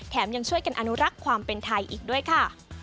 ยังช่วยกันอนุรักษ์ความเป็นไทยอีกด้วยค่ะ